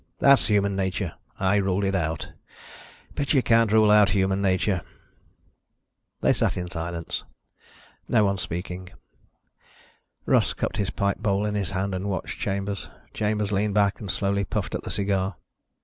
That's human nature and I ruled it out. But you can't rule out human nature." They sat in silence, no one speaking. Russ cupped his pipe bowl in his hand and watched Chambers. Chambers leaned back and slowly puffed at the cigar.